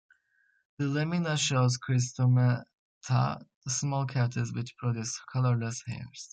The lamina shows cryptostomata - small cavities which produce colourless hairs.